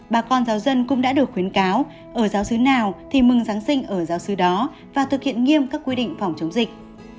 bà con giáo dân cũng đã được khuyến cáo ở giáo sứ nào thì mừng giáng sinh ở giáo sứ đó và thực hiện nghiêm các quy định phòng chống dịch